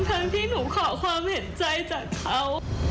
ทั้งที่หนูขอความเห็นใจจากเขา